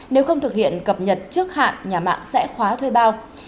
nếu không thực hiện cập nhật trước hạn nhà mạng sẽ khóa thuê bao